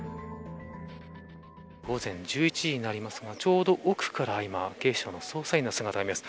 午前１１時になりますがちょうど奥から今、警視庁の捜査員の姿が見えます。